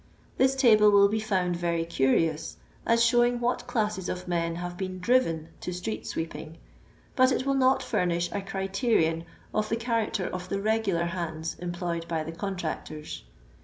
This table will be found very curious, as showing what dasset of men have been driven to street sweeping, but it will not furnish a criterion of the character of the '* regular hands " employed by the contractors.